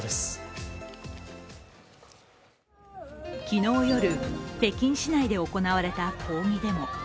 昨日夜、北京市内で行われた抗議デモ。